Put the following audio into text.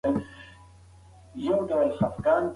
دا کمپیوټري حافظه د ملیونونو کتابونو د ساتلو وړتیا لري.